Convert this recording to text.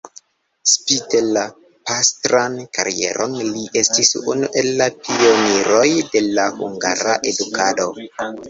Spite la pastran karieron li estis unu el la pioniroj de la hungara edukado.